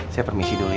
saya permisi dulu ya